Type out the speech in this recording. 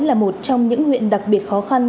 là một trong những huyện đặc biệt khó khăn